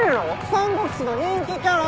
『三国志』の人気キャラ。